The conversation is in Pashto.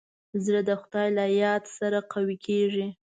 زړه د خدای له یاد سره قوي کېږي.